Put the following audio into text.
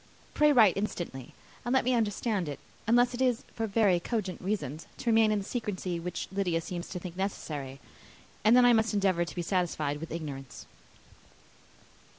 Pray write instantly, and let me understand it unless it is, for very cogent reasons, to remain in the secrecy which Lydia seems to think necessary; and then I must endeavour to be satisfied with ignorance."